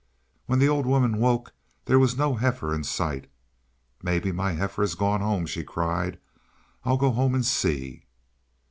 When the old woman woke, there was no heifer in sight. "Maybe my heifer has gone home!" she cried. "I'll go home and see."